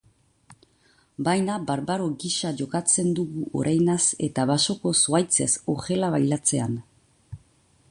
Baina barbaro gisa jokatzen dugu oreinaz eta basoko zuhaitzez horrela baliatzean.